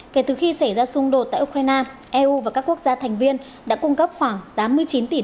kể từ khi xảy ra xung đột tại ukraine eu và các quốc gia thành viên đã cung cấp khoảng tám mươi chín tỷ usd